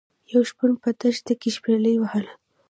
یو شپون په دښته کې شپيلۍ وهله.